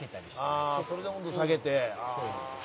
「ああそれで温度下げて」